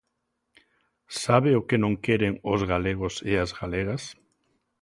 ¿Sabe o que non queren os galegos e as galegas?